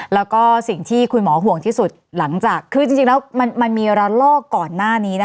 แล้วก็สิ่งที่คุณหมอห่วงที่สุดหลังจากคือจริงแล้วมันมีระลอกก่อนหน้านี้นะคะ